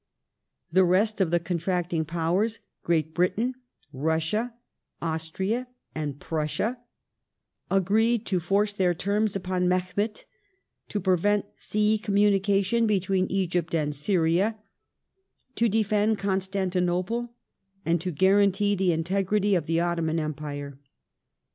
The rest of the contracting Powers, Great Britain, Russia, Austria, and Prussia, agreed to force their terms upon Mehemet ; to prevent sea communication between Egypt and Syria ; to defend Constan tinople, and to guarantee the integrity of the Ottoman Empire.